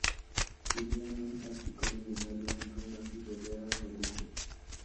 Vivía en un ático millonario en Roma y rodeada de lujos.